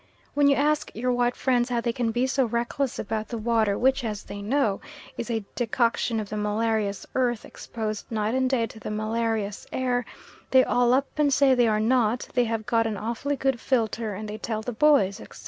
When you ask your white friends how they can be so reckless about the water, which, as they know, is a decoction of the malarious earth, exposed night and day to the malarious air, they all up and say they are not; they have "got an awfully good filter, and they tell the boys," etc.